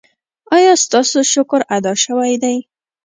ایا ستاسو شکر ادا شوی دی؟